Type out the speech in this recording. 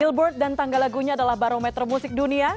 billboard dan tangga lagunya adalah barometer musik dunia